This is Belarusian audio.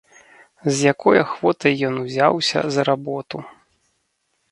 З якой ахвотай ён узяўся за работу!